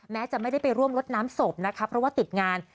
แม้จะไม่ได้ไปร่วมลดน้ำศพนะคะเพราะว่าติดงาน